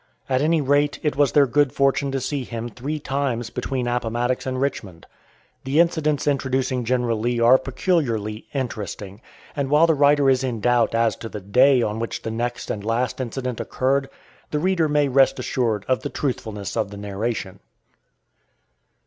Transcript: At any rate, it was their good fortune to see him three times between Appomattox and Richmond. The incidents introducing General Lee are peculiarly interesting, and while the writer is in doubt as to the day on which the next and last incident occurred, the reader may rest assured of the truthfulness of the narration. [Illustration: GOOD MORNING, GENTLEMEN.